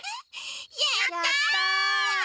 やった！